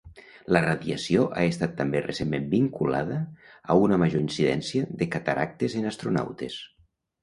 La radiació ha estat també recentment vinculada a una major incidència de cataractes en astronautes.